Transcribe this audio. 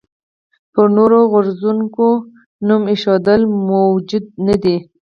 پر نورو غورځنګونو نوم ایښودل موجه نه دي.